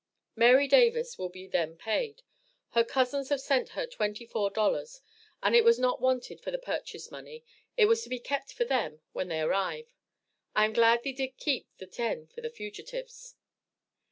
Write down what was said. Mary Davis will be then paid her cousins have sent her twenty four dollars, as it was not wanted for the purchase money it was to be kept for them when they arrive. I am glad thee did keep the ten for the fugitives.